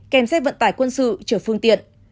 kèm xe vận tải quân sự chở phương tiện